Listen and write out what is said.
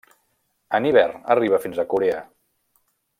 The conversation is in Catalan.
En hivern arriba fins a Corea.